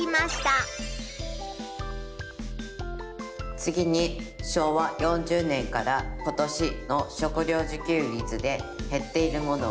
次に昭和４０年から今年の食料自給率でへっているものは。